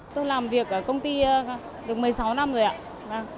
tôi làm việc ở công ty được một mươi sáu năm rồi ạ